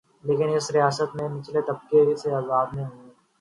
لیکن اس ریاست میں نچلے طبقات اس عذاب میں ہوں۔